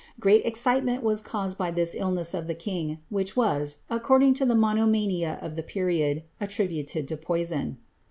Great excitement was caused by tliis illness of the king, which was, according to the monomania of tiie period, attributed to poison.